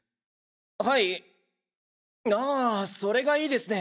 はいああそれがいいですね。